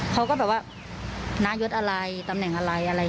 เขาก็แบบว่าน้ายศอะไรตำแหน่งอะไรอะไร